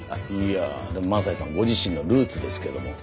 いや萬斎さんご自身のルーツですけど。